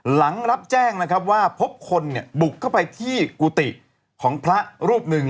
หลังรับแจ้งนะครับว่าพบคนเนี่ยบุกเข้าไปที่กุฏิของพระรูปหนึ่ง